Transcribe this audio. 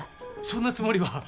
そんなつもりは。